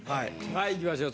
はいいきましょう。